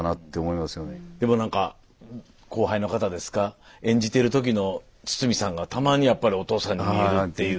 でも何か後輩の方ですか演じてる時の堤さんがたまにやっぱりお父さんに似るっていう。